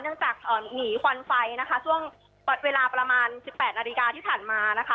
จากหนีควันไฟนะคะช่วงเวลาประมาณสิบแปดนาฬิกาที่ผ่านมานะคะ